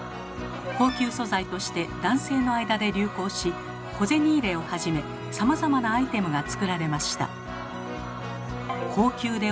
高級素材として男性の間で流行し小銭入れをはじめさまざまなアイテムが作られました。